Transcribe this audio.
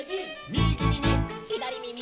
「みぎみみ」「ひだりみみ」